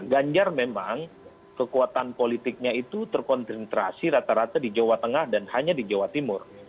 ganjar memang kekuatan politiknya itu terkonsentrasi rata rata di jawa tengah dan hanya di jawa timur